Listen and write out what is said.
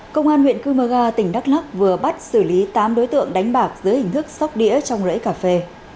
công an huyện cư mơ gà tỉnh đắk lắk vừa bắt xử lý tám đối tượng đánh bạc dưới hình thức sóc đĩa trong rễ cà phê